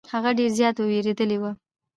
هغه ډير زيات ويرويدلې وه.